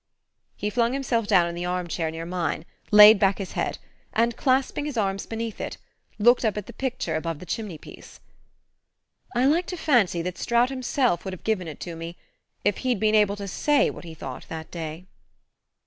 He flung himself down in the arm chair near mine, laid back his head, and clasping his arms beneath it, looked up at the picture above the chimney piece. "I like to fancy that Stroud himself would have given it to me, if he'd been able to say what he thought that day."